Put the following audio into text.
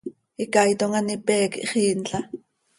Icaaitom an ipé quih xiinla.